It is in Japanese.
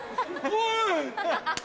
おい！